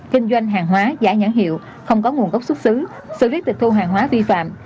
kinh doanh hàng hóa giả nhãn hiệu không có nguồn gốc xuất xứ xử lý tịch thu hàng hóa vi phạm